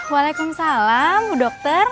waalaikumsalam bu dokter